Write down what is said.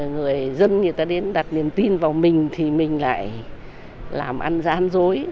người dân đến đặt niềm tin vào mình thì mình lại làm ăn gián dối